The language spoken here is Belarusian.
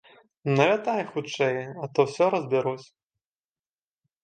Налятай хутчэй, а тое ўсё разбяруць!